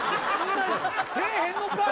せえへんのかい！